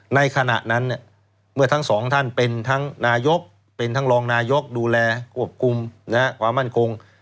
ในขณะนั้นเมื่อทั้งสองท่านเป็นทั้งนายกเป็นทั้งรองนายกดูแลควบคุมความมั่นคง